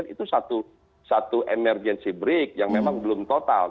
itu satu emergency break yang memang belum total